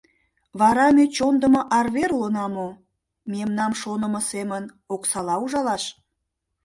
Вара ме чондымо арвер улына мо — мемнам шонымо семын оксала ужалаш?